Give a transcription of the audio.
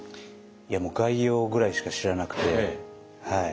いやもう概要ぐらいしか知らなくて。